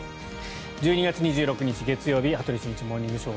１２月２６日、月曜日「羽鳥慎一モーニングショー」。